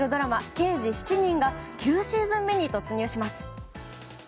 「刑事７人」が９シーズン目に突入します。